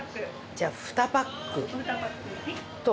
じゃあ２パックと。